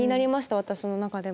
私の中でも。